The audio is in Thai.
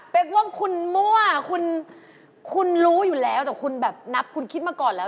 กว่าคุณมั่วคุณรู้อยู่แล้วแต่คุณแบบนับคุณคิดมาก่อนแล้ว